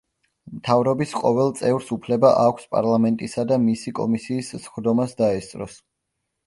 მთავრობის ყოველ წევრს უფლება აქვს პარლამენტისა და მისი კომისიის სხდომას დაესწროს.